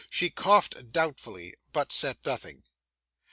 She coughed doubtfully, but said nothing.